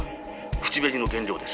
「口紅の原料です」